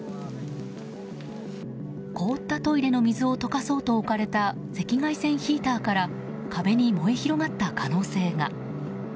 凍ったトイレの水を溶かそうと置かれた赤外線ヒーターから壁に燃え広がった可能性が。